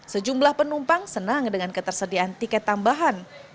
sejumlah penumpang senang dengan ketersediaan tiket tambahan